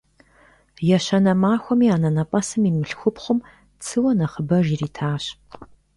Ещанэ махуэми анэнэпӀэсым и мылъхупхъум цыуэ нэхъыбэж иритащ.